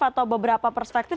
atau beberapa perspektif